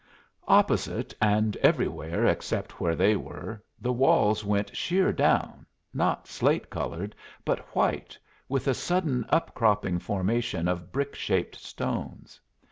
Opposite, and everywhere except where they were, the walls went sheer down, not slate colored, but white, with a sudden up cropping formation of brick shaped stones.